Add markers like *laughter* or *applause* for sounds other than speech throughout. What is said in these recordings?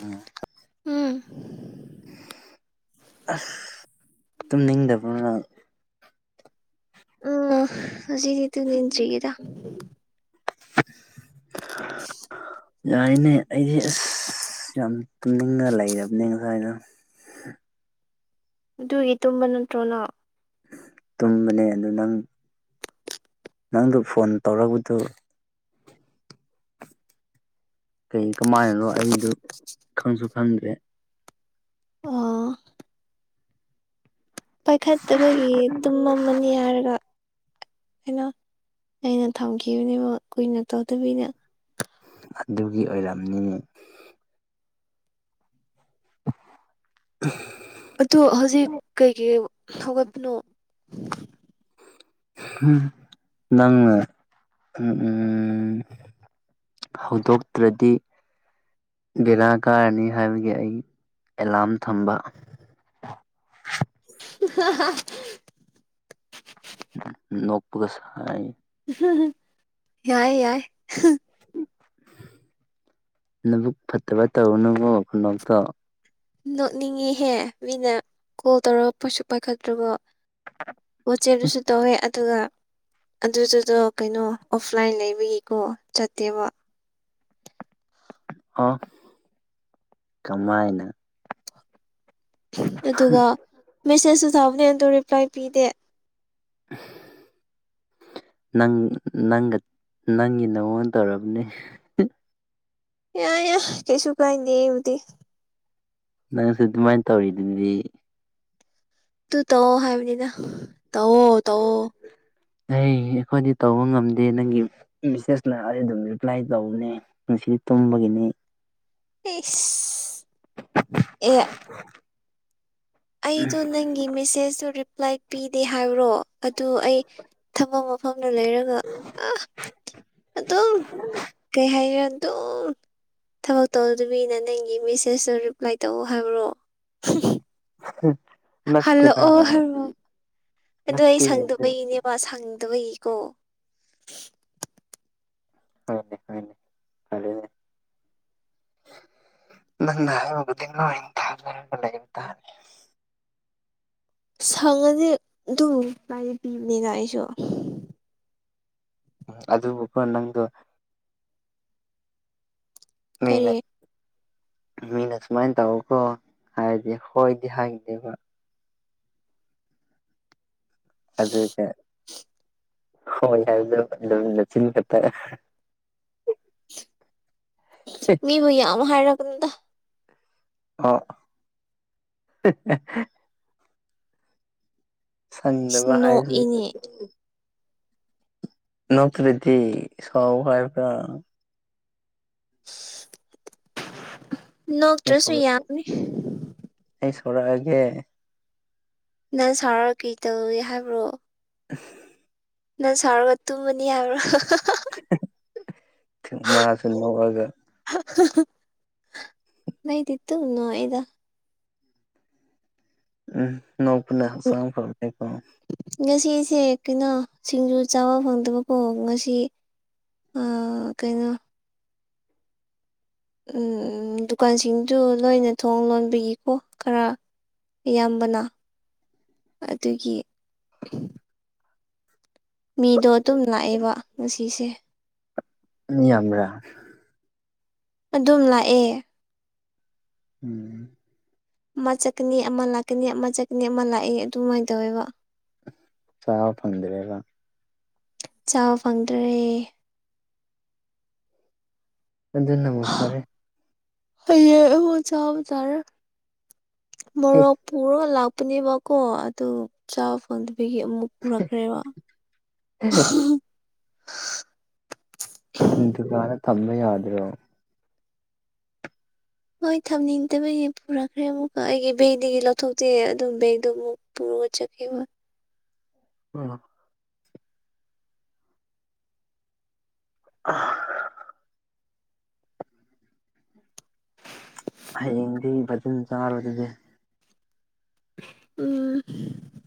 ꯎꯝ ꯎꯝ ꯑꯁ ꯇꯨꯝꯅꯤꯡꯗꯕꯅ ꯎ ꯍꯧꯖꯤꯅꯤꯗꯨ ꯅꯟ꯭ꯔꯤꯒꯦꯔ ꯌꯥꯔꯤꯅꯦ ꯑꯩꯗꯤ ꯑꯁ ꯌꯥꯝ ꯇꯨꯝꯅꯤꯡꯉ ꯂꯩꯔꯕꯅꯤ ꯉꯁꯥꯏꯅ ꯑꯗꯨꯒꯤ ꯇꯨꯝꯕ ꯅꯠꯇ꯭ꯔꯣꯅ ꯇꯨꯝꯕꯅꯦ ꯑꯗꯨ ꯅꯪ ꯅꯪꯗꯨ ꯐꯣꯟ ꯇꯧꯔꯕꯗꯨ ꯀꯩ ꯀꯃꯥꯏꯅꯅꯣ ꯑꯩꯗꯨ ꯈꯪꯁꯨ ꯈꯪꯗ꯭ꯔꯦ ꯑꯣ ꯄꯥꯏꯈꯠꯇꯕꯒꯤ ꯇꯨꯝꯝꯃꯅꯤ ꯍꯥꯏꯔꯒ ꯀꯩꯅꯣ ꯑꯩꯅ ꯊꯝꯈꯤꯕꯅꯦꯕ ꯀꯨꯏꯅ ꯇꯧꯗꯕꯤꯅ ꯑꯗꯨꯒꯤ ꯑꯣꯏꯔꯝꯅꯤ ꯑꯍꯝꯝ ꯑꯗ ꯍꯧꯖꯤꯛ ꯀꯩꯒꯤ ꯍꯧꯒꯠꯄꯅꯣ ꯅꯪꯅ ꯎꯝ ꯎꯝ ꯍꯧꯗꯣꯛꯇ꯭ꯔꯗꯤ ꯕꯦꯂꯥ ꯀꯥꯔꯅꯤ ꯍꯥꯏꯕꯒꯤ ꯑꯩ ꯑꯦꯂꯥꯔꯝ ꯊꯝꯕ ꯍ ꯍ ꯅꯣꯛꯄꯒꯁꯥꯏ ꯌꯥꯏ ꯌꯥꯏ ꯅꯕꯨꯛ ꯐꯠꯇꯕ ꯇꯧꯅꯣꯀꯣ ꯈꯨꯅꯣꯛꯇꯣ ꯅꯣꯛꯅꯤꯡꯉꯤꯍꯦ ꯃꯤꯅ ꯀꯣꯜ ꯇꯧꯔꯒ ꯄꯁꯨ ꯄꯥꯏꯈꯠꯇ꯭ꯔꯕꯣ ꯋꯥꯆꯦꯞ ꯇꯥꯁꯨ ꯇꯧꯋꯦ ꯑꯗꯨꯒ ꯑꯗꯨꯗꯨꯗꯣ ꯀꯩꯅꯣ ꯑꯣꯐꯂꯥꯏꯟ ꯂꯩꯕꯒꯤꯀꯣ ꯆꯠꯇꯦꯕ ꯑ ꯀꯃꯥꯏꯅ ꯑꯗꯨꯒ ꯃꯦꯁꯦꯁꯁꯨꯨ ꯊꯥꯕꯅꯦ ꯑꯗꯣ ꯔꯤꯄ꯭ꯂꯥꯏ ꯄꯤꯗꯦ *inaudible* ꯅꯪ ꯅꯪꯒ ꯅꯪꯒꯤ ꯅꯉꯣꯟ ꯇꯧꯔꯕꯅꯤ ꯌꯥꯏ ꯌꯥꯏ ꯀꯩꯁꯨ ꯀꯥꯏꯗꯦ ꯍꯨꯖꯤꯛꯇꯤ ꯅꯪꯁꯨ ꯑꯗꯨꯃꯥꯏꯅ ꯇꯧꯔꯤꯗꯨꯗꯤ ꯇꯨ ꯇꯧꯑꯣ ꯍꯥꯏꯕꯅꯤꯅ ꯇꯧꯑꯣ ꯇꯧꯑꯣ ꯑꯩ ꯑꯩꯈꯣꯏꯗꯤ ꯇꯧꯕ ꯉꯝꯗꯦ ꯅꯪꯒꯤ ꯃꯦꯁꯦꯁꯅ ꯑꯩ ꯑꯗꯨꯝ ꯔꯤꯄ꯭ꯂꯥꯏ ꯇꯧꯕꯅꯦ ꯁꯤꯗꯤ ꯇꯨꯝꯕꯒꯤꯅꯤ ꯏꯁ ꯑꯦ *inaudible* ꯑꯩꯗꯣ ꯅꯪꯒꯤ ꯃꯦꯁꯦꯁꯇꯨ ꯔꯤꯄ꯭ꯂꯥꯏ ꯄꯤꯗꯦ ꯍꯥꯏꯕ꯭ꯔꯣ ꯑꯗꯨ ꯑꯩ ꯊꯃꯝ ꯃꯐꯝꯗ ꯂꯩꯔꯒ ꯑ ꯑꯗꯨꯝ ꯀꯩ ꯍꯥꯏꯔ ꯑꯗꯨꯝ *inaudible* ꯊꯕꯛ ꯇꯧꯗꯕꯤꯅ ꯅꯪꯒꯤ ꯃꯦꯁꯦꯁꯇꯣ ꯔꯤꯄ꯭ꯂꯥꯏ ꯇꯧꯑꯣ ꯍꯥꯏꯕ꯭ꯔꯣ ꯎꯝ ꯍꯜꯂꯛꯑꯣ ꯍꯥꯏꯔꯣꯑꯣ ꯑꯗꯣ ꯑꯩ ꯅꯠꯇꯦ ꯑꯗꯨ ꯁꯪꯗꯕꯒꯤꯅꯦꯕ ꯁꯪꯗꯕꯒꯤꯀꯣ ꯍꯅꯦ ꯍꯅꯦ ꯀꯅꯦ ꯅꯗꯤꯣ ꯏ ꯂꯩ ꯇ ꯁꯪꯉꯁꯦ ꯑꯗꯨ ꯥꯏꯗꯤ ꯄꯤꯕꯅꯤꯅ ꯑꯩꯁꯨ ꯑꯗꯨꯄ ꯅꯪꯗ ꯀꯔꯤ ꯃꯅ ꯃꯤꯅ ꯁꯨꯃꯥꯏꯅ ꯇꯧꯀꯣ ꯍꯥꯏꯔꯗꯤ ꯍꯣꯏꯗꯤ ꯍꯥꯏꯈꯤꯗꯦꯕ ꯑꯗꯨꯗꯒ ꯍ ꯌꯥꯎꯗꯣ ꯆꯤꯟ ꯀꯠꯇꯔ ꯃꯤꯕꯨ ꯌꯥꯝ ꯍꯥꯏꯔꯒꯗ ꯑ ꯁꯪꯗꯕ ꯏꯁꯅꯣ ꯍꯥꯏꯕꯁꯤ ꯏꯅꯦ ꯅꯠꯇ꯭ꯔꯗꯤ ꯁꯧ ꯍꯥꯏꯕ꯭ꯔ ꯅꯣꯛꯇ꯭ꯔꯁꯨ ꯑꯩ ꯌꯥꯝꯅꯤ ꯑꯩ ꯁꯣꯔꯒꯦ ꯅꯪ ꯁꯥꯔ ꯀꯩ ꯇꯧꯏ ꯍꯥꯏꯕ꯭ꯔꯣ ꯑ ꯅꯥꯎꯒ ꯇꯨꯃꯅꯤ ꯍꯥꯏꯕꯔꯣ ꯃꯥꯁꯨ ꯅꯣꯛꯑꯒ ꯑꯩꯗꯤꯗꯨꯝ ꯅꯣꯛꯑꯦꯗꯥ ꯎꯝ ꯅꯣꯡꯄꯅ ꯐ ꯉꯁꯤꯁꯦ ꯀꯩꯅꯣ ꯁꯤꯡꯖꯨ ꯆꯥꯕ ꯐꯪꯗꯕꯀꯣ ꯉꯁꯤ ꯀꯩꯅꯣ ꯎꯝ ꯗꯨꯀꯥꯟꯁꯤꯡꯗꯨ ꯂꯣꯏꯅ ꯊꯣꯡ ꯂꯣꯟꯕꯒꯤꯀꯣ ꯈꯔ ꯏꯌꯥꯝꯕꯅ ꯑꯗꯨꯒꯤ ꯃꯤꯗꯣ ꯑꯗꯨꯝ ꯂꯥꯛꯑꯦꯕ ꯉꯁꯤꯁꯦ ꯃꯤ ꯌꯥꯝꯔ ꯑꯗꯨꯝ ꯂꯥꯛꯑꯦ ꯎꯝ ꯑꯃ ꯆꯠꯀꯅꯤ ꯑꯃ ꯂꯥꯛꯀꯅꯤ ꯑꯃ ꯆꯠꯀꯅꯤ ꯑꯃ ꯂꯥꯛꯑ ꯑꯗꯨꯃꯥꯏꯅ ꯇꯧꯋꯦꯕ ꯆꯥꯕ ꯐꯪꯗ꯭ꯔꯦꯔ ꯆꯥꯕ ꯐꯪꯗ꯭ꯔꯦ ꯑꯗꯨ ꯅꯝꯕ ꯐꯔꯦ ꯍꯥꯏꯕꯨ ꯆ ꯇꯔ ꯃꯣꯔꯄꯔ ꯂꯥ ꯇꯨꯅꯦꯕꯀꯣ ꯑꯗꯨ ꯆꯥꯕ ꯐꯪꯗꯕꯤꯒꯤ ꯑꯃꯨꯛ ꯍꯨꯔꯛꯈ꯭ꯔꯦꯕ ꯍ ꯍ ꯎꯝ ꯗꯨꯀꯥꯟꯗ ꯊꯝꯕ ꯌꯥꯗ꯭ꯔꯣ ꯍꯣꯏ ꯊꯝꯅꯤꯡꯗꯕꯩꯒꯤ ꯄꯨꯔꯛꯈ꯭ꯔꯦ ꯑꯃꯨꯛꯀ ꯑꯩꯒꯤ ꯕꯦꯒꯗꯒꯤ ꯂꯧꯊꯣꯛꯇꯦ ꯑꯗꯨꯝ ꯕꯦꯒꯗꯣ ꯑꯃꯨꯛ ꯄꯨꯔꯒ ꯆꯠꯀꯦꯕ *unintelligible* ꯑꯍ ꯍꯌꯦꯡꯗꯤ ꯐꯖꯟ ꯆꯥꯔꯣ ꯑꯗꯨꯗꯤ ꯎꯝ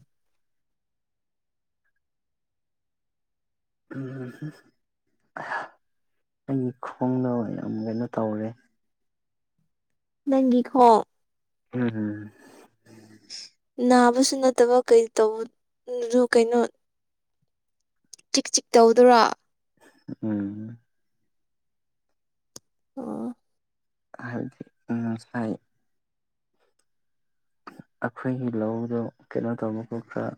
ꯎꯝ ꯍꯨꯝ ꯍꯍ ꯅꯪꯒꯤ ꯈꯣꯡꯗꯣ ꯌꯥꯝ ꯀꯩꯅꯣ ꯇꯧꯔꯦ ꯅꯪꯒꯤ ꯈꯣꯡ ꯎꯝ ꯍꯨꯝ ꯅꯥꯕꯁꯨ ꯅꯠꯇꯕ ꯀꯩ ꯇꯧ ꯀꯩꯅꯣ ꯆꯤꯛ ꯆꯤꯛ ꯇꯧꯗꯨꯔꯣ ꯎꯝ ꯑꯣ ꯍꯥꯏꯗꯤ ꯎꯝ ꯁꯥꯏ ꯑꯩꯈꯣꯏꯒꯤ ꯂꯧꯗꯣ ꯀꯩꯅꯣ ꯇꯧꯕ ꯀꯣ ꯈꯔ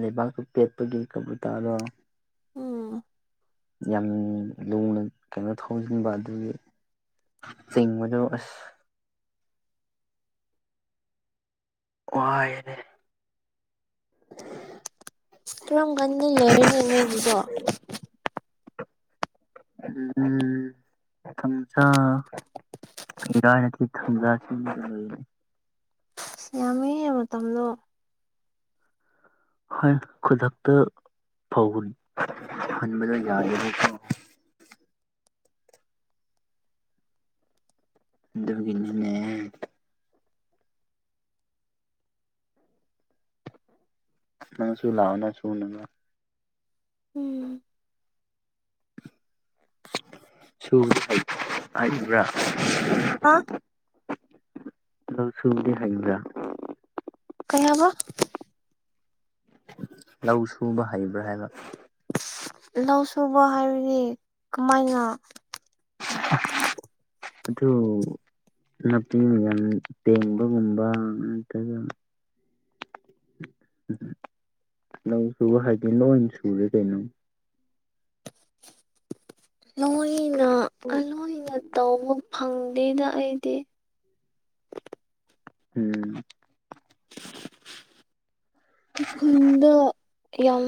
ꯂꯩꯕꯥꯛꯇꯣ ꯄꯦꯠꯄꯒꯤ ꯀꯕꯨꯇꯥꯗꯣ ꯎꯝ ꯌꯥꯝ ꯂꯨꯅ ꯀꯩꯅꯣ ꯊꯧꯖꯤꯟꯕ ꯑꯗꯨꯒꯤ ꯆꯤꯡꯕꯗꯨ ꯑꯁ ꯋꯥꯏꯔꯦ ꯀꯔꯝ ꯀꯥꯟꯗ ꯂꯣꯏꯔꯅꯤ ꯅꯣꯏꯒꯤꯗꯣ ꯎꯝ ꯊꯥꯡꯖ ꯏꯔꯥꯏ ꯅꯠꯇ꯭ꯔꯥ ꯊꯥꯡꯖ ꯁꯤ ꯅꯨꯃꯤꯠꯇ ꯂꯣꯏꯔꯅꯤ ꯑꯁ ꯌꯥꯝꯃꯦꯍꯦ ꯃꯇꯝꯂꯣ ꯍꯣꯏ ꯈꯨꯗꯛꯇ ꯐꯧ ꯍꯨꯟ ꯍꯨꯟꯕꯗꯣ ꯌꯥꯗꯦꯕ ꯀꯣ ꯑꯗꯨꯒꯤꯅꯤꯅꯦ ꯅꯪꯁꯨ ꯂꯥꯛꯑꯣ ꯅ ꯁꯨꯅꯕ ꯎꯝ ꯁꯨꯕꯗꯤ ꯍꯩ ꯍꯩꯕ꯭ꯔꯥ ꯍꯥ ꯂꯧ ꯁꯨꯕꯗꯤ ꯍꯩꯕ꯭ꯔꯥ ꯀꯩ ꯍꯥꯏꯕ ꯂꯧ ꯁꯨꯕ ꯍꯩꯕ꯭ꯔꯥ ꯍꯥꯏꯕ ꯂꯧ ꯁꯨꯕ ꯍꯥꯏꯕꯗꯤ ꯀꯃꯥꯏꯅ *unintelligible* ꯑꯗꯨ ꯅꯥꯄꯤꯡ ꯌꯥꯝ ꯄꯦꯡꯕꯒꯨꯝꯕ ꯅꯠꯇ꯭ꯔꯒ ꯎꯝ ꯂꯧ ꯁꯨꯕ ꯍꯥꯏꯗꯤ ꯂꯣꯏ ꯁꯨꯔꯦ ꯀꯩꯅꯣ ꯂꯣꯏꯅ ꯑ ꯂꯣꯏꯅ ꯇꯧꯕ ꯐꯪꯗꯦꯗ ꯑꯩꯗꯤ ꯎꯝ ꯑꯩ ꯈꯨꯟꯗ ꯌꯥꯝ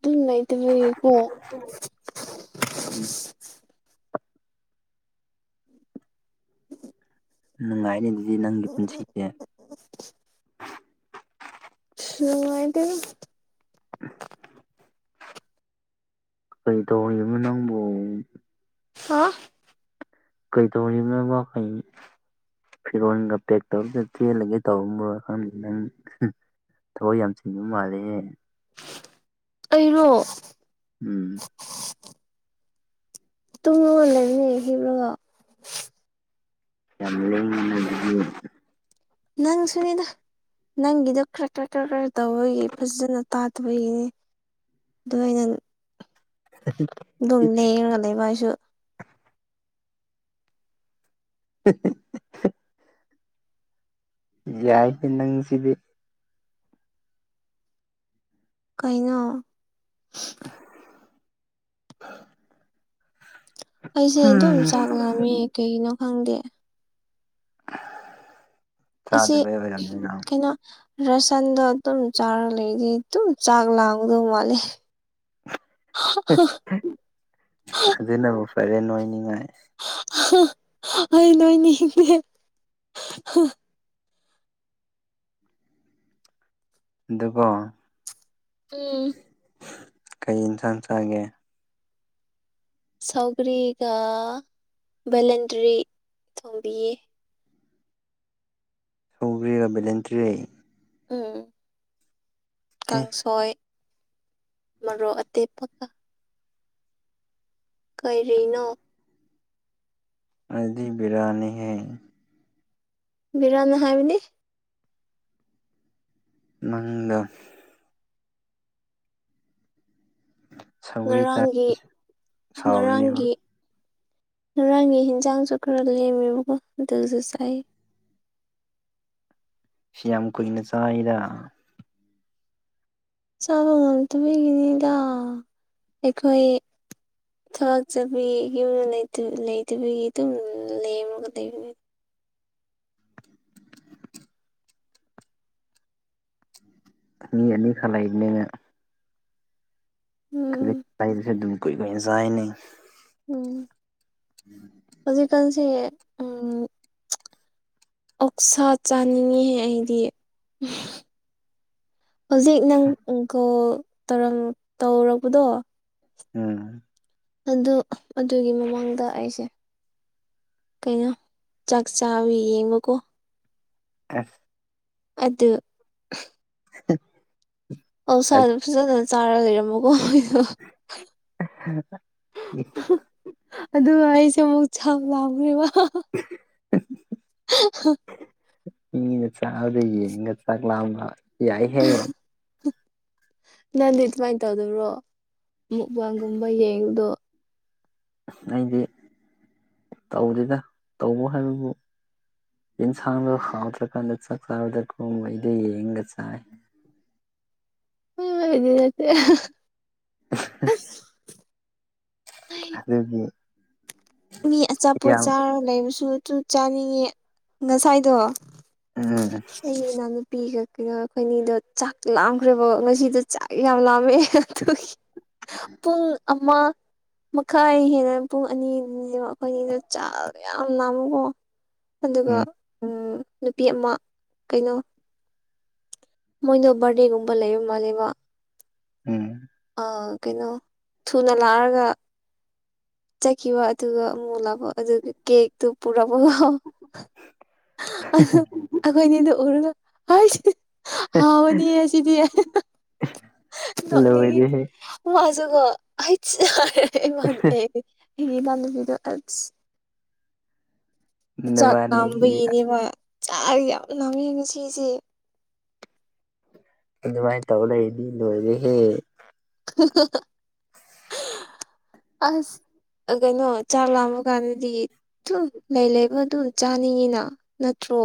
ꯇꯨꯝ ꯂꯩ ꯇꯕꯒꯤ ꯀꫭ ꯅꯨꯡꯉꯥꯏꯅꯦ ꯑꯗꯨꯗꯤ ꯅꯪꯒꯤ ꯄꯨꯟꯁꯤꯁꯦ ꯁꯁ ꯅꯨꯡꯉꯥꯏꯇꯦꯗ ꯀꯔꯤ‌ ꯇꯧꯔꯤꯅꫭꯃꯤ ꯅꯪꯕꯣ ꯍꯥ ꯀꯩꯇꯧꯔꯤꯅꯣꯕ ꯀꯩ ꯐꯤꯔꯣꯟꯒ ꯄꯦꯛ ꯇꯧꯔꯒ ꯆꯦꯜꯂꯒꯦ ꯇꯧꯔꯝꯕ꯭ꯔꯣ ꯈꯪꯗꯦ ꯅꯪ ꯊꯕꯛ ꯌꯥꯝ ꯆꯤꯟꯕ ꯃꯥꯜꯂꯦ ꯑꯩꯔꯣ ꯎꯝ ꯇꯨꯡꯉ ꯂꯩꯃꯤ ꯍꯤꯞꯔꯒꯥ ꯌꯥꯝ ꯅꯪ ꯁꯨꯅꯤꯗ ꯅꯪꯒꯤꯗꯣ ꯈꯔ -ꯈꯔ -ꯈꯔ -ꯈꯔ ꯇꯧꯕꯒꯤ ꯐꯖꯅ ꯇꯥꯗꯕꯒꯤꯅꯦ ꯑꯗꯨ ꯑꯣꯏꯅ *inaudible* ꯑꯗꯨꯝ ꯂꯉꯒ ꯂꯩꯕ ꯍꯥꯏꯁꯨ *unintelligible* ꯌꯥꯏ ꯍꯦ ꯅꯪꯁꯤꯗꯤ ꯀꯩꯅꫭ *inaudible* *inaudible* ꯑꯩꯁꯦ ꯑꯗꯨꯝ ꯍꯨꯝ ꯆꯥꯛ ꯂꯥꯃꯤ ꯀꯩꯒꯤꯅꯣ ꯈꯪꯗꯦ ꯑꯁꯤ ꯆꯥꯗꯕꯩ ꯑꯣꯏꯔꯝꯅꯤ ꯅꯪ ꯀꯩꯅꯣ ꯔꯁꯟꯗꯣ ꯑꯗꯨꯝ ꯆꯥꯔ ꯂꯩꯗꯤ ꯑꯗꯨꯝ ꯆꯥꯛ ꯂꯥꯡꯗꯧ ꯃꯥꯜꯂꯦ ꯑꯗꯨꯅꯕ ꯐꯔꯦ ꯅꯣꯏꯅꯤꯡꯉꯥꯏ *unintelligible* ꯑꯩꯅꯣꯏꯅꯤꯡꯗꯦ ꯑꯗꯨꯒ ꯎꯝ ꯀꯩ ꯏꯟꯁꯥꯟꯁꯒꯦ ꯁꯥꯎꯒ꯭ꯔꯤꯒ ꯕꯦꯂꯦꯟꯗ꯭ꯔꯤ ꯊꯣꯝꯕꯤꯌꯦ ꯁꯧꯒ꯭ꯔꯤꯒ ꯕꯤꯂꯦꯟꯇ꯭ꯔꯤ ꯎꯝ ꯀꯥꯡꯁꯣꯏ ꯃꯔꯨꯞ ꯑꯇꯦꯛꯄꯒ ꯀꯔꯤꯅꯣ ꯑꯗꯤ ꯕꯤꯔꯅꯤ ꯍꯦ ꯕꯤꯔꯅꯦ ꯍꯥꯏꯕꯗꯤ ꯅꯪꯒ ꯁꯧꯒ꯭ꯔꯤ ꯆꯥ ꯉꯔꯥꯡꯒꯤ ꯁꯥꯎꯔꯅꯦꯕ ꯉꯔꯥꯡꯒꯤ ꯉꯔꯥꯡꯒꯤ ꯌꯦꯟꯖꯥꯡꯁꯨ ꯈꯔ ꯂꯦꯝꯃꯦꯕꯀꯣ ꯑꯗꯨꯁꯨ ꯆꯥꯏ ꯁꯤ ꯌꯥꯝ ꯀꯨꯏꯅ ꯆꯥꯏꯗ ꯆꯥꯕ ꯉꯝꯗꯕꯒꯤꯅꯤꯗ ꯑꯩꯈꯣꯏ ꯊꯔꯥꯛꯆꯕꯤꯒꯤ ꯌꯨꯝꯗ ꯂꯩꯇꯕꯤꯒꯤ ꯑꯗꯨꯝ ꯂꯦꯝꯃꯒ ꯂꯩꯕꯅꯤ ꯃꯤ ꯑꯅꯤꯈꯛ ꯂꯩꯕꯅꯤꯅ ꯎꯝ ꯈꯖꯤꯛ ꯄꯥꯏꯗꯁꯨ ꯑꯗꯨꯝ ꯀꯨꯏꯀꯨꯏꯅ *unintelligible* ꯎꯝ ꯎꯝ ꯍꯧꯖꯤꯛꯀꯥꯟꯁꯦ ꯎ ꯑꯣꯛꯁꯥ ꯆꯥꯅꯤꯡꯉꯤꯍꯦ ꯑꯩꯗꯤ ꯍꯧꯖꯤꯛ ꯅꯪꯪ ꯀꯣꯜꯧ ꯇꯧꯔꯛꯄꯗꯣ ꯎꯝ ꯑꯗꯨ ꯑꯗꯨꯒꯤ ꯃꯃꯥꯡꯗ ꯑꯩꯁꯦ ꯀꯩꯅꯣ ꯆꯥꯛ ꯆꯥꯋ ꯌꯦꯡꯕꯀꯣ ꯑ *unintelligible* ꯑꯗ ꯍ *unintelligible* ꯑꯧ ꯁꯥꯥꯗꯣ ꯐꯖꯖꯅ ꯆꯥꯔ ꯂꯩꯔꯝꯃꯣꯀꯣ ꯑꯩꯗ *inaudible* *unintelligible* ꯑꯗꯨꯒ ꯑꯩꯁꯦ ꯑꯃꯨꯛ ꯆꯥꯎ ꯂꯥꯎꯈ꯭ꯔꯦꯕ ꯑ *unintelligible* *inaudible* *inaudible* ꯃꯤꯅ ꯆꯥꯛꯕꯗ ꯌꯦꯡꯒ ꯆꯥꯛꯂꯥꯛꯑ꯭ꯔ ꯌꯥꯏꯍꯌꯦ ꯅꯪꯗꯤ ꯑꯗꯨꯃꯥꯏꯅ ꯇꯧꯗꯕ꯭ꯔꯣ ꯃꯨꯛꯕꯥꯟꯒꯨꯝꯕ ꯌꯦꯡꯉꯗꯣ ꯑꯩꯗꯤ ꯇꯧꯗꯦꯅ ꯇꯧꯕ ꯍꯥꯏꯕꯕꯨ ꯌꯦꯟꯁꯥꯡꯗꯣ ꯍꯥꯎꯗ꯭ꯔꯀꯥꯟꯗ ꯆꯥꯛ ꯆꯥꯕꯗ ꯈꯣꯡꯕ ꯑꯩꯗꯣ ꯌꯦꯡꯒ ꯆꯥꯏ ꯍꯗꯤ ꯅꯠꯇꯦ *inaudible* ꯑꯗꯨꯗꯒꯤ ꯃꯤ ꯑꯆꯥꯄꯣꯠ ꯆꯥꯔꯒ ꯂꯩꯕꯁꯨ ꯑꯗꯨ ꯆꯥꯅꯤꯡꯉꯤ ꯉꯁꯥꯏꯗꯣ ꯍ ꯎꯝ ꯅ ꯅꯨꯄꯤꯒ ꯀꯩꯅꯣ ꯑꯩꯈꯣꯏꯅꯤꯗꯣ ꯆꯥꯛ ꯂꯥꯝꯈ꯭ꯔꯦꯕꯣ ꯉꯁꯤꯗꯣ ꯆꯥꯛ ꯌꯥꯝ ꯂꯥꯝꯃꯦꯦ ꯑꯗꯨ ꯍ ꯄꯨꯡ ꯑꯃ ꯃꯈꯥꯏ ꯍꯦꯟꯅ ꯄꯨꯡ ꯑꯅꯤ ꯑꯩꯈꯣꯏꯒꯤꯗ ꯆꯥ ꯌꯥꯝ ꯂꯥꯝꯃꯨꯀꯣ ꯑꯗꯨꯒ ꯎꯝ ꯎ ꯅꯨꯄꯤ ꯑꯃ ꯀꯩꯅꯣ ꯃꯣꯏꯗꯣ ꯕꯥꯔꯗꯦꯒꯨꯝꯕ ꯂꯩꯕ ꯃꯥꯜꯂꯦꯕ ꯎꯝ ꯀꯩꯅꯣ ꯊꯨꯅ ꯂꯥꯛꯑꯒ ꯆ ꯀ ꯋꯥ ꯑꯗꯨꯒ ꯃꯨꯂ ꯑꯣ ꯑꯗꯨꯒ ꯀꯦꯛꯇꯨ ꯄꯨꯔꯝꯃꯒ ꯑꯈꯣꯏꯅꯤ ꯑꯗꯨ ꯎꯔꯒ ꯍ ꯍꯥꯎꯅꯤꯌꯦ ꯑꯁꯤꯗꯤ ꯅꯣꯛꯅꯤꯡ ꯂꯣꯏꯔꯦꯍꯦ ꯋꯥꯖꯒꯣ ꯑꯩꯠ ꯂꯕꯤꯗꯣ ꯆꯥꯛ ꯅꯕꯥꯅꯤꯁꯤꯗꯤ ꯥꯝꯕꯒꯤꯅꯦꯕ ꯆꯥ ꯌꯥꯝ ꯂꯥꯝꯃꯦ ꯌꯦ ꯉ ꯁꯤꯁꯦ ꯑꯗꯨꯃꯥꯏꯅ ꯇꯧ ꯂꯩ ꯑꯩꯗꯤ ꯂꯣꯏꯔꯦꯍꯦ ꯑꯁ ꯀꯩꯅꯣ ꯆꯥꯛ ꯂꯥꯃ ꯀꯥꯟꯗꯗꯤ ꯑꯗꯨꯝ ꯂꯩ ꯂꯩꯕ ꯑꯗꯨꯝ ꯆꯥꯅꯤꯡꯉꯤꯅ ꯅꯠꯇ꯭ꯔꯣ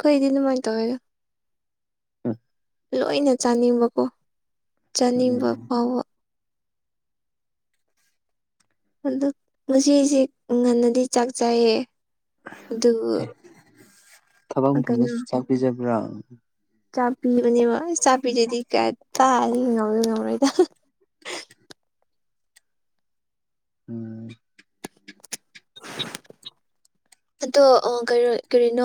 ꯑꯩꯩꯗꯤ ꯑꯗꯨꯃꯥꯏꯅ ꯇꯧꯋꯦꯗ ꯎ ꯂꯣꯏꯅ ꯆꯥꯅꯤꯡꯕꯀꯣ ꯆꯥꯅꯤꯡꯕ ꯎꯝ ꯐꯥꯎꯕ ꯑꯗꯨ ꯉꯁꯦ ꯉꯟꯅꯗꯤ ꯆꯥꯛ ꯆꯥꯏꯌꯦ ꯑꯗꯨ ꯑꯦ ꯊꯕꯛ ꯃꯐꯝꯗꯁꯨ ꯆꯥꯛꯄꯤꯤꯖꯕ꯭ꯔꯥ ꯆꯥꯛꯄꯤꯕꯅꯦꯕ ꯆꯥꯛꯕꯤꯗꯗꯤ ꯀꯌꯥ ꯇꯥꯔ ꯉꯥꯎꯗꯣꯏ ꯉꯧꯔꯣꯏꯗ ꯎꯝ ꯑꯗꯣ ꯀꯣ ꯀꯔꯤꯅꯣ